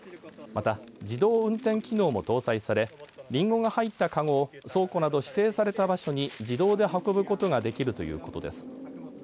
また、自動運転機能も搭載されりんごが入った籠を倉庫など指定された場所に自動で運ぶことができるということです。